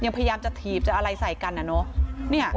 ยังพยายามจะถีบจะอะไรใส่กันอ่ะเนอะเนี่ย